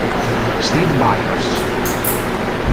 Steve Byers